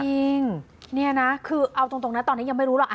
จริงเนี่ยนะคือเอาตรงนะตอนนี้ยังไม่รู้หรอก